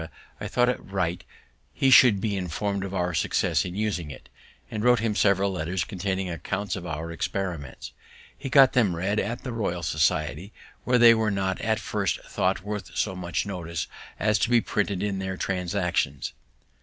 I thought it right he should be inform'd of our success in using it, and wrote him several letters containing accounts of our experiments. He got them read in the Royal Society, where they were not at first thought worth so much notice as to be printed in their Transactions.